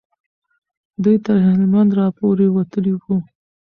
دوی تر هلمند را پورې وتلي وو.